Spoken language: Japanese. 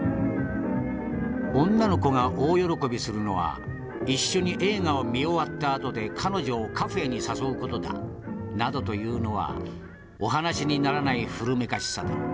「女の子が大喜びするのは一緒に映画を見終わったあとで彼女をカフェに誘う事だ」などと言うのはお話にならない古めかしさだ。